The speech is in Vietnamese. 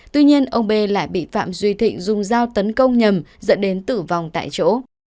tuy nhiên ông b lại bị phạm duy thịnh dùng dao tấn công nhầm dẫn đến tử vong tại chỗ